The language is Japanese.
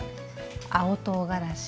青とうがらし